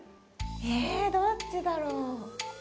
えどっちだろう？